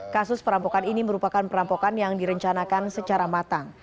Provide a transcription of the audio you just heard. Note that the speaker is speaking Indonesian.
kasus perampokan ini merupakan perampokan yang direncanakan secara matang